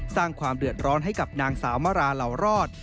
สร้างความเดือดร้อนให้กับนางสาวมาราเหล่ารอด